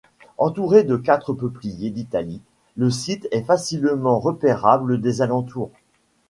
Entouré de quatre peupliers d'Italie, le site est facilement repérable des alentours.